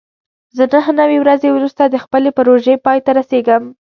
زه نهه نوي ورځې وروسته د خپلې پروژې پای ته رسېږم.